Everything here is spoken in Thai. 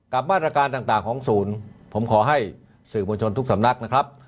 มาตรการต่างของศูนย์ผมขอให้สื่อมวลชนทุกสำนักนะครับ